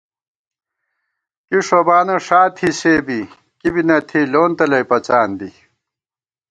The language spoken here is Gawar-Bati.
کیݭوبانہ ݭا تھی سے بی کِبی نہ تھی لون تَلَئ پَڅان دی